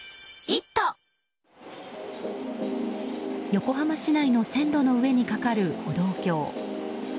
横浜市内の線路の上に架かる歩道橋。